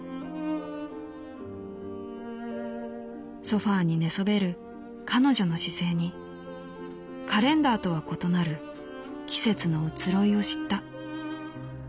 「ソファにねそべる彼女の姿勢にカレンダーとは異なる季節の移ろいを知った」。